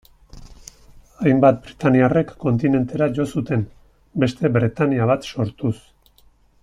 Hainbat britainiarrek kontinentera jo zuten, beste Bretainia bat sortuz.